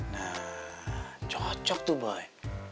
nah cocok tuh boy